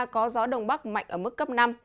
có gió đông bắc mạnh ở mức cấp năm